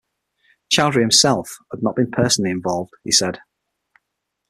Chaudhry himself had not been personally involved, he said.